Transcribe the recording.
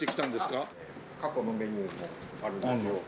過去のメニューもあるんですよ。